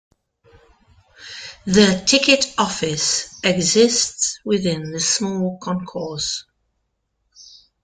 The ticket office exists within the small concourse.